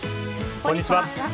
こんにちは。